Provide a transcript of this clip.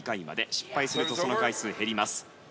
失敗するとその回数が減ります。